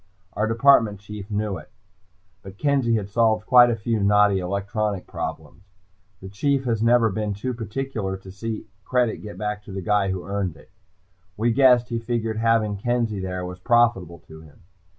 Our Department Chief knew it, but Kenzie had solved quite a few knotty electronics problems. The Chief never has been too particular to see credit get back to the guy who earned it. We guessed he figured having Kenzie there was profitable to him.